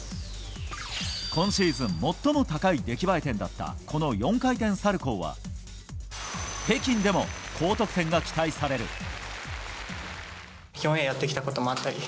今シーズン最も高い出来栄え点だったこの４回転サルコウは北京でも高得点が期待される。